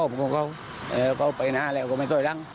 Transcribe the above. พูดด้วยครับร้าชาวน้ำขุ้น